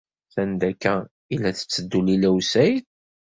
Sanda akka ay la tetteddu Lila u Saɛid?